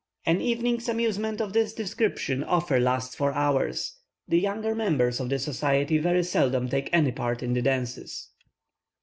An evening's amusement of this description often lasts for hours. The younger members of society very seldom take any part in the dances.